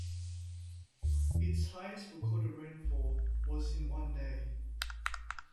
Its highest recorded rainfall was in one day.